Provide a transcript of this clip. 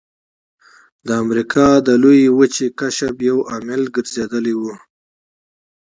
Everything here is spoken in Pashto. د امریکا د لویې وچې کشف یو عامل ګرځېدلی و.